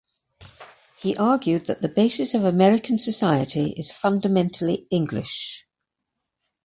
He argued that the basis of American society is fundamentally English.